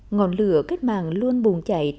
ngọn lửa kết mạng luôn bùng chạy